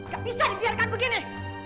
gak bisa dibiarkan begini